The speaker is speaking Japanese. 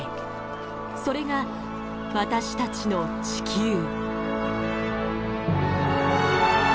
それが私たちの地球。